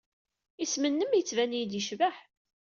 Isem-nnem yettban-iyi-d yecbeḥ.